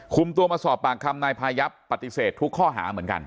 ตัวมาสอบปากคำนายพายับปฏิเสธทุกข้อหาเหมือนกัน